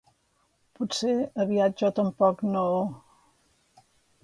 Potser aviat jo tampoc no...